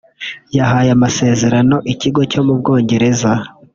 yahaye amasezerano ikigo cyo mu Bwongereza